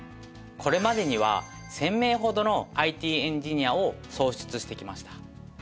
これまでには１０００名ほどのＩＴエンジニアを創出してきました。